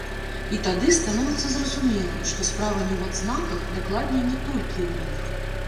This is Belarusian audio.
І тады становіцца зразумелым, што справа не ў адзнаках, дакладней не толькі ў іх.